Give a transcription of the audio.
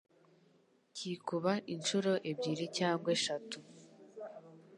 cyikuba inshuro ebyiri cyangwa eshatu.